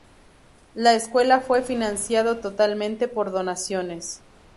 La escuela fue financiado totalmente por donaciones.